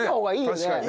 確かにね。